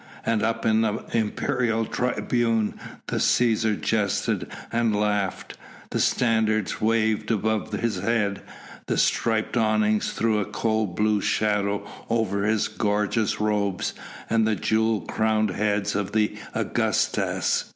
And up in the imperial tribune the Cæsar jested and laughed, the standards waved above his head, the striped awning threw a cool blue shadow over his gorgeous robes and the jewel crowned heads of the Augustas.